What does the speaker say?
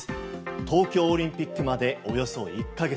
東京オリンピックまでおよそ１か月。